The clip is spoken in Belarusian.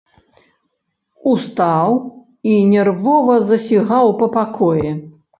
Устаў і нервова засігаў па пакоі.